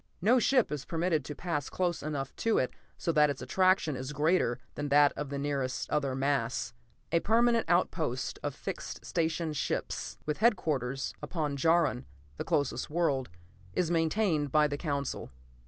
No ship is permitted to pass close enough to it so that its attraction is greater than that of the nearest other mass. A permanent outpost of fixed station ships, with headquarters upon Jaron, the closest world, is maintained by the Council.